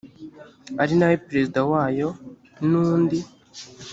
ari na we perezida wayo n undi